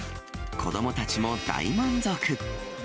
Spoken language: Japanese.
子どもたちも大満足。